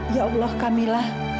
ya allah kamila